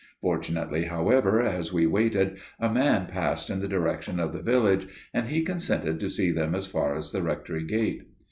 Fortunately, however, as we waited a man passed in the direction of the village, and he consented to see them as far as the Rectory gate.